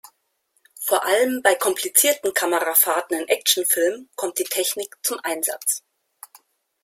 Vor allem bei komplizierten Kamerafahrten in Actionfilmen kommt die Technik zum Einsatz.